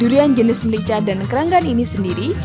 durian jenis merica dan keranggan ini sendiri